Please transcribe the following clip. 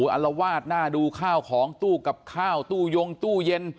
อารวาสหน้าดูข้าวของตู้กับข้าวตู้ยงตู้เย็น